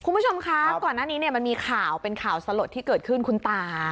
คุณผู้ชมคะก่อนหน้านี้เนี่ยมันมีข่าวเป็นข่าวสลดที่เกิดขึ้นคุณตา